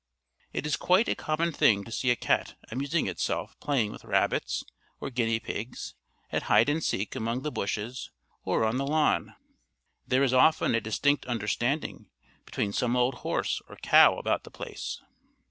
It is quite a common thing to see a cat amusing itself playing with rabbits, or guinea pigs, at hide and seek among the bushes, or on the lawn. There is often a distinct understanding between some old horse or cow about the place.